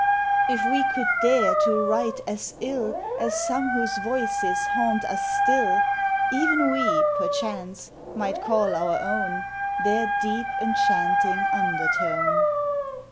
If we could dare to write as ill As some whose voices haunt us still, Even we, perchance, might call our own Their deep enchanting undertone.